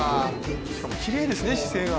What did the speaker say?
しかもきれいですね、姿勢が。